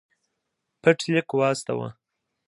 پټ لیک واستاوه.